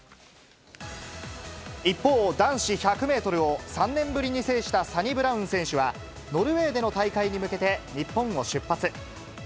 一方、男子１００メートルを３年ぶりに制したサニブラウン選手は、ノルウェーでの大会に向けて日本を出発。